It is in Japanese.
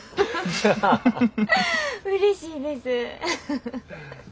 うれしいです。